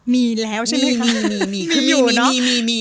มีแล้วใช่มั้ยค่ะ